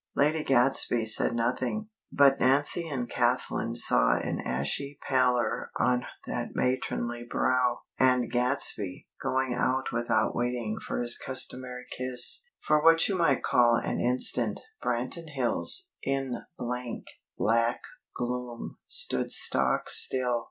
Lady Gadsby said nothing, but Nancy and Kathlyn saw an ashy pallor on that matronly brow; and Gadsby going out without waiting for his customary kiss. For what you might call an instant, Branton Hills, in blank, black gloom, stood stock still.